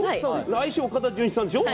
来週は岡田准一さんでしょう